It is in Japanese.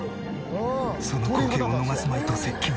その光景を逃すまいと接近。